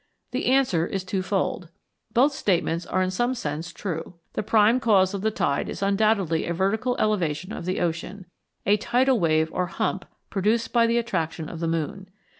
The answer is twofold: both statements are in some sense true. The prime cause of the tide is undoubtedly a vertical elevation of the ocean, a tidal wave or hump produced by the attraction of the moon.